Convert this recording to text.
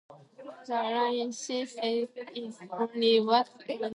The island nation of Bahrain lies off the east coast of the peninsula.